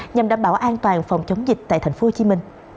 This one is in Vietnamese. nhằm đảm bảo an toàn phòng chống dịch tại tp hcm